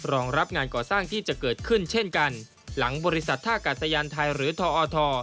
รองรับงานก่อสร้างที่จะเกิดขึ้นเช่นกันหลังบริษัทท่ากาศยานไทยหรือทอท